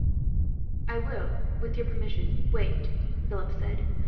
"I will, with your permission, wait," Philip said.